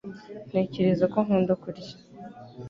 Ntekereza ko nkunda kurya